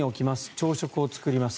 朝食を作ります